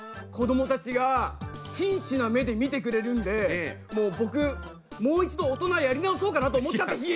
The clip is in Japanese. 子どもたちが真摯な目で見てくれるんでもう僕もう一度大人やり直そうかなと思っちゃった。